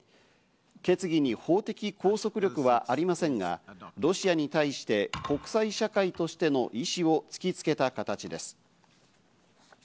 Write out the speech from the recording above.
決議に法的拘束力はありませんが、ロシアに対して国際社会としての意思を突きつけた形です。